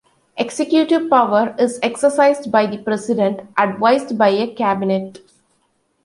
Executive power is exercised by the President, advised by a cabinet.